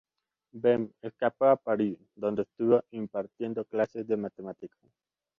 Bem escapó a París, donde estuvo impartiendo clases de matemáticas.